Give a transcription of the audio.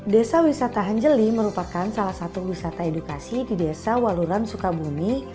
desa wisata hanjeli merupakan salah satu wisata edukasi di desa waluran sukabumi